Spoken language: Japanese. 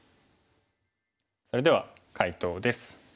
それでは解答です。